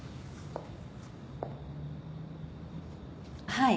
はい。